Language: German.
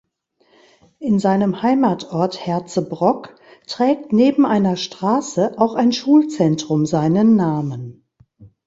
In seinem Heimatort Herzebrock trägt neben einer Straße auch ein Schulzentrum seinen Namen.